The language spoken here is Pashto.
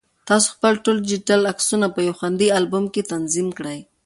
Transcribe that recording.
تاسو خپل ټول ډیجیټل عکسونه په یو خوندي البوم کې تنظیم کړئ.